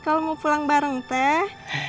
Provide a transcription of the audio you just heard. kalau mau pulang bareng teh